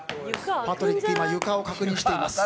パトリックが床を確認しています。